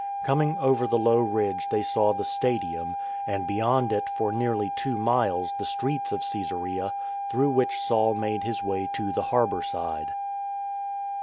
Coming over the low ridge they saw the stadium, and beyond it for nearly two miles the streets of Csesarea, through which Saul made his way to the harbour side.